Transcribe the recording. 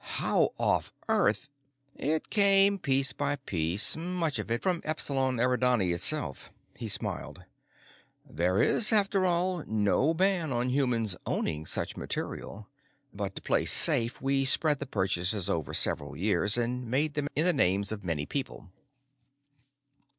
"How off Earth " "It came piece by piece, much of it from Epsilon Eridani itself," he smiled. "There is, after all, no ban on humans owning such material. But to play safe, we spread the purchases over several years, and made them in the names of many people."